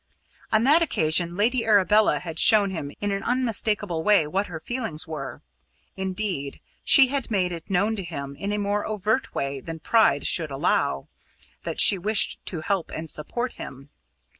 On that occasion Lady Arabella had shown him in an unmistakable way what her feelings were; indeed, she had made it known to him, in a more overt way than pride should allow, that she wished to help and support him.